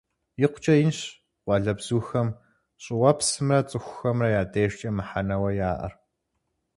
ИкъукӀэ инщ къуалэбзухэм щӀыуэпсымрэ цӀыхухэмрэ я дежкӀэ мыхьэнэуэ яӀэр.